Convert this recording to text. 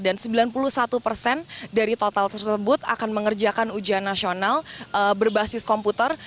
dan sembilan puluh satu persen dari total tersebut akan mengerjakan ujian nasional berbasis komputer